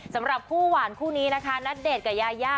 สำหรับคู่หวานคู่นี้นะคะณเดชน์กับยายา